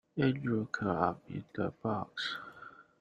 Andrew curled up in the box.